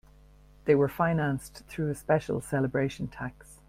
They were financed through a special celebration tax.